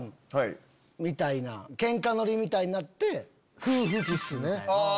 ケンカノリみたいになって夫婦キス。